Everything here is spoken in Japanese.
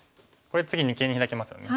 これ次に二間にヒラけますよね。